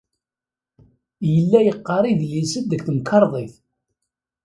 Yella yeqqar idlisen deg temkarḍit.